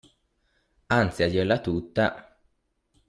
Anzi, a dirla tutta